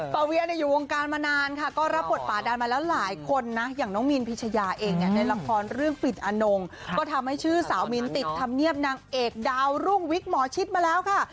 เวียอยู่วงการมานานค่ะก็รับบทฝ่าดันมาแล้วหลายคนนะอย่างน้องมินพิชยาเองเนี่ยในละครเรื่องฝิ่นอนงก็ทำให้ชื่อสาวมินติดธรรมเนียบนางเอกดาวรุ่งวิกหมอชิดมาแล้วค่ะ